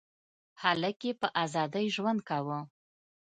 هلته یې په ازادۍ ژوند کاوه.